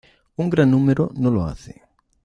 Un gran número no lo hace.